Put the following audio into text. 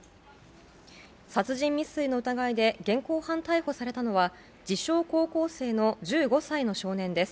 殺人未遂の疑いで現行犯逮捕されたのは自称高校生の１５歳の少年です。